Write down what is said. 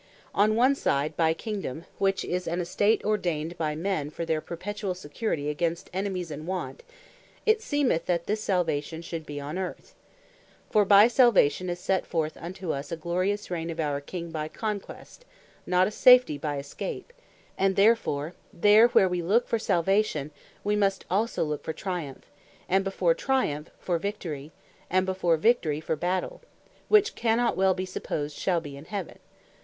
On one side, by Kingdome (which is an estate ordained by men for their perpetuall security against enemies, and want) it seemeth that this Salvation should be on Earth. For by Salvation is set forth unto us, a glorious Reign of our King, by Conquest; not a safety by Escape: and therefore there where we look for Salvation, we must look also for Triumph; and before Triumph, for Victory; and before Victory, for Battell; which cannot well be supposed, shall be in Heaven.